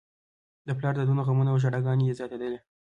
د پلار دردونه، غمونه او ژړاګانې یې زياتېدلې.